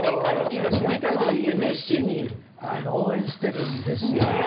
熱心に応援してるんですよね。